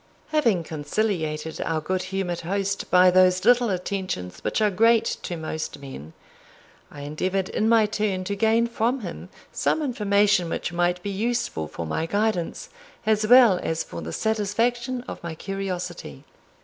Having conciliated our good humoured host by those little attentions which are great to most men, I endeavoured in my turn to gain from him some information which might be useful for my guidance, as well as for the satisfaction of my curiosity.